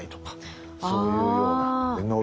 そういうような。